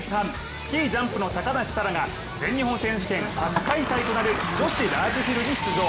スキージャンプの高梨沙羅が全日本選手権初開催となる女子ラージヒルに出場。